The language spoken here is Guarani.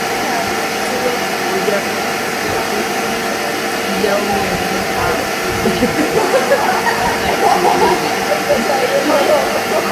Ojapyhýkuri ijaomimi ha oje'ói Itakyrýgui.